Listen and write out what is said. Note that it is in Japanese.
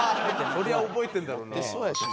そりゃ覚えてるんだろうな。